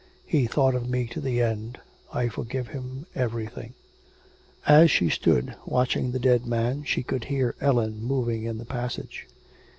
'He thought of me to the end. I forgive him everything.' As she stood watching the dead man, she could hear Ellen moving in the passage.